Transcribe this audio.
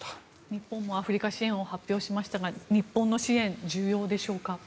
日本もアフリカ支援を表明しましたが日本の支援、重要でしょうか。